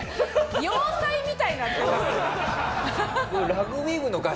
要塞みたいになってますよ。